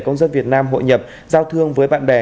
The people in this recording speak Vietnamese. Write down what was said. công dân việt nam hội nhập giao thương với bạn bè